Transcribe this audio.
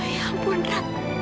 ya ampun ra